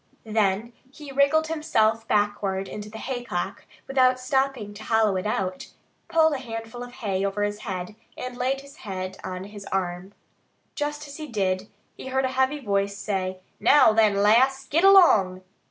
Then he wriggled himself backward into the haycock without stopping to hollow it out, pulled a handful of hay over his head, and laid his head on his arm. Just as he did so he heard a heavy voice say, "Now, then, lass, git along!"